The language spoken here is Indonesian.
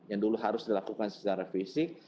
yang dulu harus dilakukan secara fisik